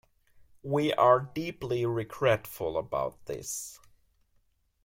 We are deeply regretful about this.